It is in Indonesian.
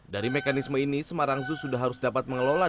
dari mekanisme ini semarang zoo sudah harus dapat mengelola